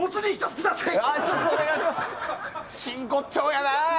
真骨頂やな。